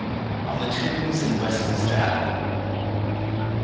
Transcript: ON THE TOMBS IN WESTMINSTER ABBEY.